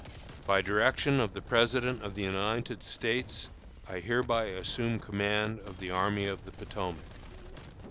By direction of the President of the United States I hereby assume command of the Army of the Potomac.